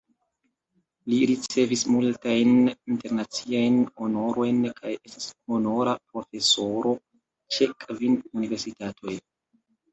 Li ricevis multajn internaciajn honorojn kaj estas honora profesoro ĉe kvin universitatoj.